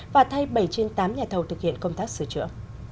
và thay bảy trên tám nhà thầu thực hiện công tác sửa chữa